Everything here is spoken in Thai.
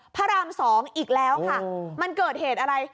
พระราม๒อีกแล้วค่ะมันเกิดเหตุอะไร